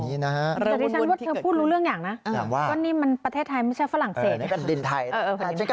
นี่เป็นดินไทยใช้กระนอนได้นะ